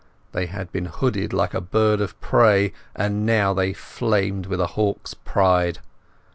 They had been hooded like a bird of prey, and now they flamed with a hawk's pride.